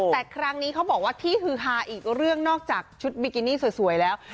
แต่ครั้งนี้เขาบอกว่าที่ฮือฮาอีกเรื่องนอกจากชุดบิกินี่สวยแล้ว